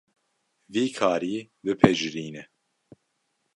Vî karî bipejirîne.